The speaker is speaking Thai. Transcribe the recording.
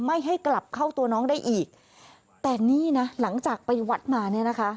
ไม่ให้กลับเข้าตัวน้องได้อีกแต่นี่นะหลังจากไปวัดมาเนี่ยนะคะ